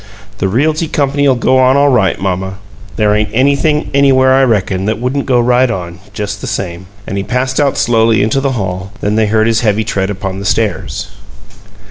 The Realty Company'll go on all right, mamma. There ain't anything anywhere, I reckon, that wouldn't go right on just the same." And he passed out slowly into the hall; then they heard his heavy tread upon the stairs.